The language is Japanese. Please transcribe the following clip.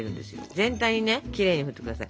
全体にねきれいに振って下さい。